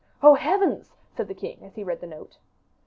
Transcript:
"Oh, heavens!" said the king, as he read the note.